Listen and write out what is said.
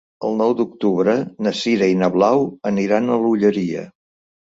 El nou d'octubre na Sira i na Blau aniran a l'Olleria.